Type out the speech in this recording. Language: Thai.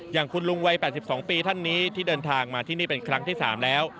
อย่างคุณลุงวัย๘๒ปีท่านนี้ที่เดินทางมาที่นี่เป็นครั้งที่๓แล้ว